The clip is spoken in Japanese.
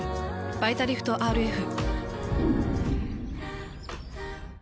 「バイタリフトＲＦ」。